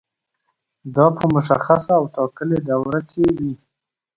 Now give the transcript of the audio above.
دا په مشخصه او ټاکلې دوره کې وي.